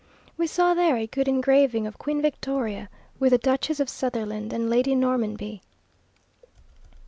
We saw there a good engraving of Queen Victoria, with the Duchess of Sutherland and Lady Normanby.